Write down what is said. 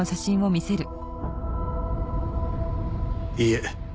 いいえ。